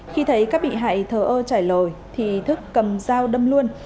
khi thấy các bị hại thờ ơ trả lời thức cầm dao đâm luôn